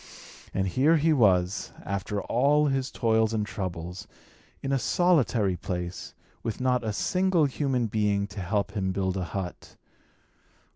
And here he was, after all his toils and troubles, in a solitary place, with not a single human being to help him build a hut.